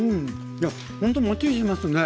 いやほんともっちりしますね。